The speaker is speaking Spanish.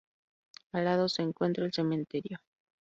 Al lado se encuentra el cementerio.